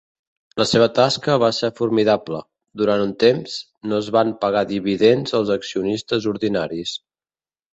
La seva tasca va ser formidable; durant un temps, no es van pagar dividends als accionistes ordinaris.